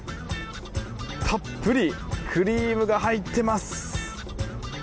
たっぷりクリームが入ってます！